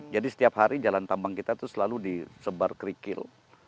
jadi setiap hari jalan tambang kita selalu disebar kerikil